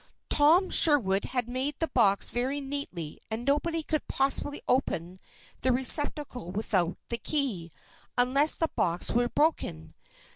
Tom Sherwood had made the box very neatly and nobody could possibly open the receptacle without the key, unless the box were broken.